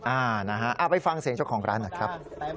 อ่านะฮะเอาไปฟังเสียงเจ้าของร้านหน่อยครับ